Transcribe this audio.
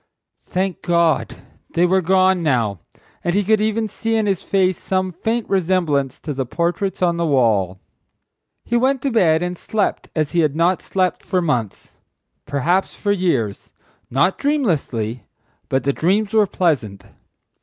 Thank God! they were gone now, and he could even see in his face some faint resemblance to the portraits on the wall. He went to bed and slept as he had not slept for months, perhaps for years—not dreamlessly, but the dreams were pleasant.